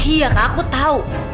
iya kak aku tau